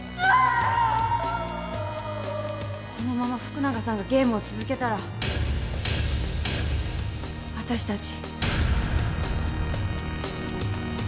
このまま福永さんがゲームを続けたらわたしたち。